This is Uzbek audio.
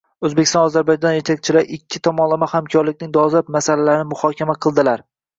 O‘zbekiston va Ozarbayjon yetakchilari ikki tomonlama hamkorlikning dolzarb masalalarini muhokama qildilarng